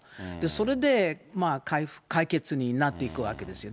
それで、解決になっていくわけですよ。